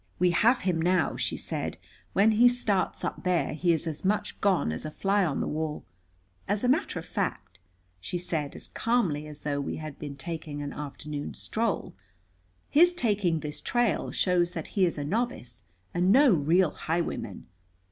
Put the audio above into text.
"We have him now," she said. "When he starts up there he is as much gone as a fly on the wall. As a matter of fact," she said as calmly as though we had been taking an afternoon stroll, "his taking this trail shows that he is a novice and no real highwayman.